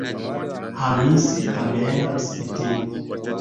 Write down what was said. Hamisi ameenda msikitini